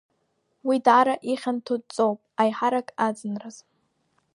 Уи даара ихьанҭоу дҵоуп, аиҳарак аӡынраз.